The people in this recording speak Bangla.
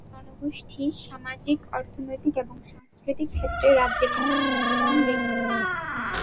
এই জনগোষ্ঠী সামাজিক, অর্থনৈতিক এবং সাংস্কৃতিক ক্ষেত্রে রাজ্যের উন্নয়নে অবদান রেখেছে।